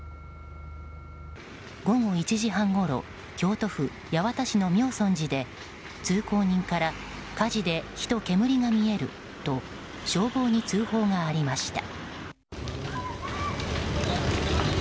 午後１時半ごろ京都府八幡市の明尊寺で通行人から火事で火と煙が見えると消防に通報がありました。